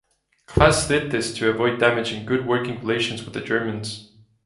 Klass did this to avoid damaging good working relations with the Germans.